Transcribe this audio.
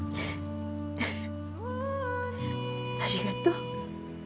ありがとう。